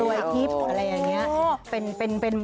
ทิพย์อะไรอย่างนี้